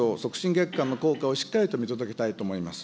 月間の効果をしっかりと見届けたいと思います。